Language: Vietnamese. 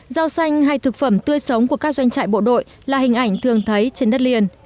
rau xanh hay thực phẩm tươi sống của các doanh trại bộ đội là hình ảnh thường thấy trên đất liền